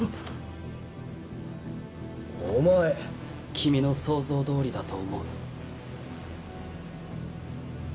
君の想像どおりだと思う。